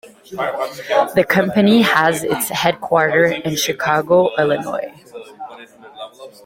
The company has its headquarters in Chicago, Illinois.